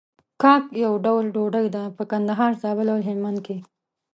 کاک يو ډول ډوډۍ ده په کندهار، زابل او هلمند کې.